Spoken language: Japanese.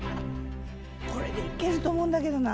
これでいけると思うんだけどな。